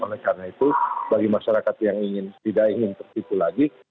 oleh karena itu bagi masyarakat yang tidak ingin tertipu lagi